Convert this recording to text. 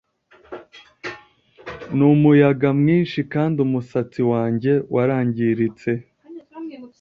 Numuyaga mwinshi kandi umusatsi wanjye warangiritse